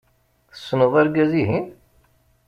Tessneḍ argaz-ihin?